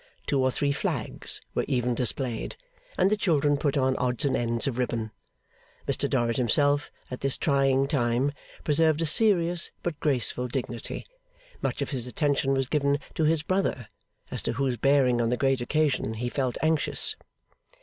Two or three flags were even displayed, and the children put on odds and ends of ribbon. Mr Dorrit himself, at this trying time, preserved a serious but graceful dignity. Much of his great attention was given to his brother, as to whose bearing on the great occasion he felt anxious.